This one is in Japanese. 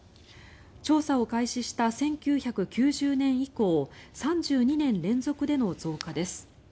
調査を開始した１９９０年以降３２年連続での増加です。